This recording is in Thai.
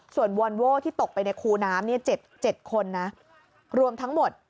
ส่วนวอนโว้ที่ตกไปในคูน้ำเนี่ยเจ็บเจ็บคนนะรวมทั้งหมด